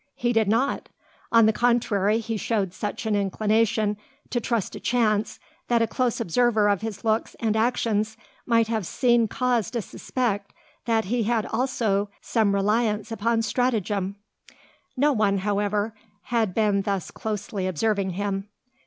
He did not. On the contrary, he showed such an inclination to trust to chance that a close observer of his looks and actions might have seen cause to suspect that he had also some reliance upon stratagem. No one, however, had been thus closely observing him.